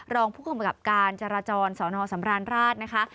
รองผู้กำกับการจราจรสนสำราญราชนะคะ